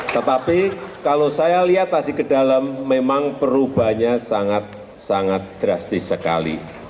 tetapi kalau saya lihat tadi ke dalam memang perubahannya sangat sangat drastis sekali